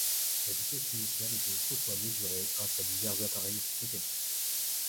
La vitesse initiale était autrefois mesurée grâce à divers appareils mécaniques.